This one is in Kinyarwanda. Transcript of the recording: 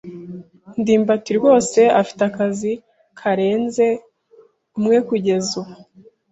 ndimbati rwose afite akazi karenze umwe kugeza ubu.